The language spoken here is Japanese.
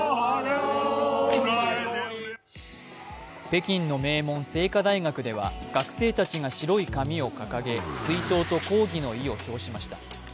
北京の名門・清華大学では学生たちが白い紙を掲げ、追悼と抗議の意を表しました。